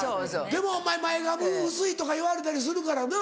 でもお前「前髪薄い」とか言われたりするからな。